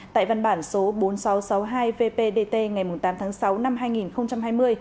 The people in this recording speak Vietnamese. tại văn bản số bốn nghìn sáu trăm sáu mươi hai vpdt ngày tám tháng sáu năm hai nghìn hai mươi